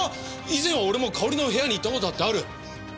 以前は俺もかおりの部屋に行った事だってある。